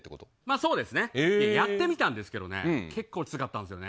そうですねやってみたんですが結構、きつかったんですよね。